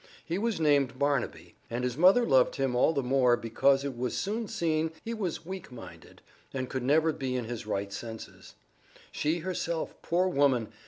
He was named Barnaby, and his mother loved him all the more because it was soon seen he was weak minded, and could never be in his right senses. She herself, poor woman!